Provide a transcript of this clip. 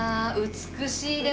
美しい。